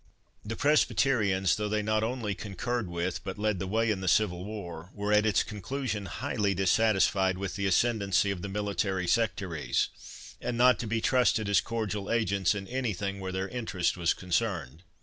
The Presbyterians, though they not only concurred with, but led the way in the civil war, were at its conclusion highly dissatisfied with the ascendency of the military sectaries, and not to be trusted as cordial agents in anything where their interest was concerned.